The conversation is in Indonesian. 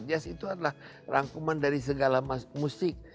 jazz itu adalah rangkuman dari segala musik